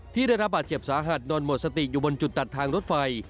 ที่ได้รับบาดเจ็บสาหัสนอนหมดสติอยู่บนจุดตัดทางรถไฟ